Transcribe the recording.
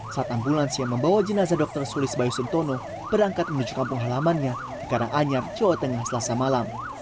saat ambulans yang membawa jenazah dr sulis bayu suntono berangkat menuju kampung halamannya di karanganyar jawa tengah selasa malam